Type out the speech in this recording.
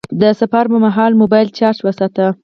د سفر پر مهال موبایل چارج وساته..